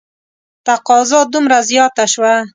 تقاضا دومره زیاته شوه.